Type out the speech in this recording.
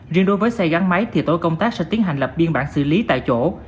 riêng đối với xe gắn máy thì tổ công tác sẽ tiến hành lập biên bản xử lý tại chỗ